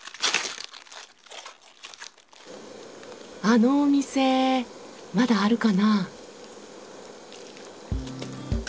あのお店まだあるかな。